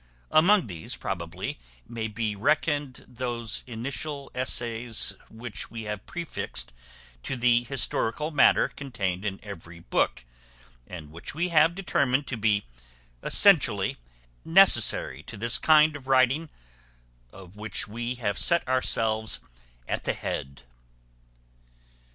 Among these probably may be reckoned those initial essays which we have prefixed to the historical matter contained in every book; and which we have determined to be essentially necessary to this kind of writing, of which we have set ourselves at the head.